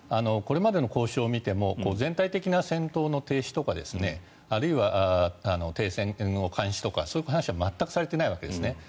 これまでの交渉を見ても全体的な戦闘の停止とかあるいは停戦の監視とかそういう話は全くされていないわけですね。